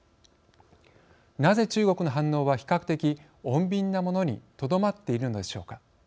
なぜ、中国の反応は比較的穏便なものにとどまっているのでしょうか。